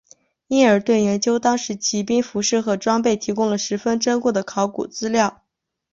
因而对研究当时骑兵服饰和装备提供了十分珍贵的考古资料。